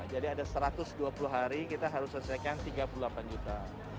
jadi ada satu ratus dua puluh hari kita harus selesaikan tiga puluh delapan juta